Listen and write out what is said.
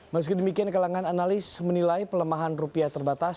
meski demikian kalangan analis menilai pelemahan rupiah terbatas